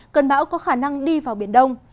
cần bão có khả năng đi vào biển đông